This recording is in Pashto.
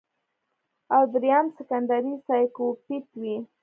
او دريم سيکنډري سايکوپېت وي